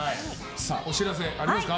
お知らせありますか？